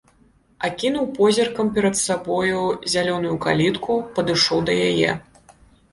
Акінуў позіркам перад сабою зялёную калітку, падышоў да яе.